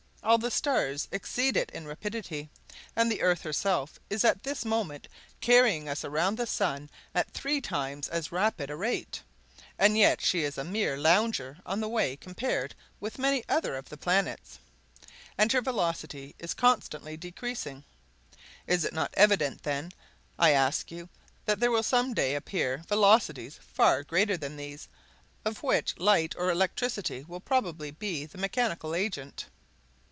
All the stars exceed it in rapidity, and the earth herself is at this moment carrying us round the sun at three times as rapid a rate, and yet she is a mere lounger on the way compared with many others of the planets! And her velocity is constantly decreasing. Is it not evident, then, I ask you, that there will some day appear velocities far greater than these, of which light or electricity will probably be the mechanical agent?